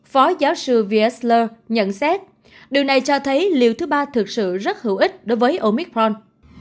phó giáo sư v s ler nhận xét điều này cho thấy liều thứ ba thực sự rất hữu ích đối với omicron